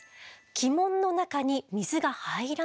気門の中に水が入らないんです。